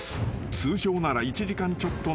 ［通常なら１時間ちょっとの距離だが。